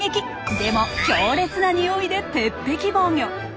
でも強烈なニオイで鉄壁防御！